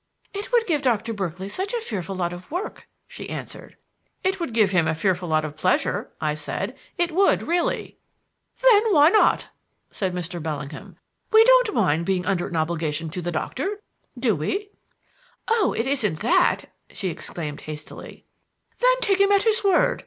"It would give Doctor Berkeley such a fearful lot of work," she answered. "It would give him a fearful lot of pleasure," I said. "It would really." "Then why not?" said Mr. Bellingham. "We don't mind being under an obligation to the Doctor, do we?" "Oh, it isn't that!" she exclaimed hastily. "Then take him at his word.